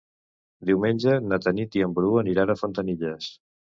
Diumenge na Tanit i en Bru aniran a Fontanilles.